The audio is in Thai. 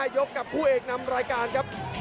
ยกกับคู่เอกนำรายการครับ